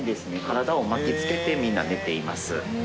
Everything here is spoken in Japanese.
体を巻き付けてみんな寝ています。